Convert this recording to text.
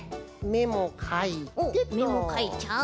おっめもかいちゃう。